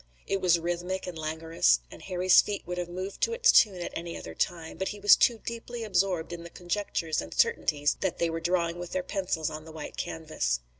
It was rhythmic and languorous, and Harry's feet would have moved to its tune at any other time, but he was too deeply absorbed in the conjectures and certainties that they were drawing with their pencils on the white canvas.